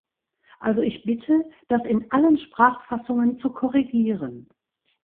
Also ich bitte, das in allen Sprachfassungen zu korrigieren.